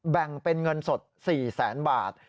แบ่งเป็นเงินสด๔แสนบาท